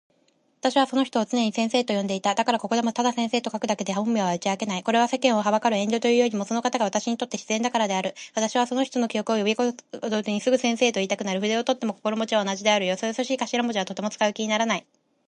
私はその人を常に先生と呼んでいた。だからここでもただ先生と書くだけで本名は打ち明けない。これは世間を憚る遠慮というよりも、その方が私にとって自然だからである。私はその人の記憶を呼び起すごとに、すぐ「先生」といいたくなる。筆を執とっても心持は同じ事である。よそよそしい頭文字などはとても使う気にならない。